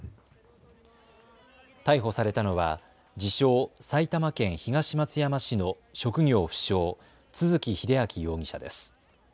逮捕されたのは自称、埼玉県東松山市の職業不詳、都築英明容疑者です。